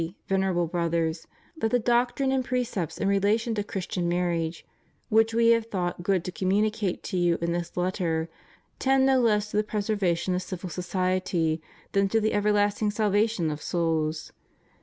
Venerable Brothers, that the doc trine and precepts in relation to Christian marriage, which We have thought good to communicate to you in this letter, tend no less to the preservation of civil society than to the everlasting salvation of souls.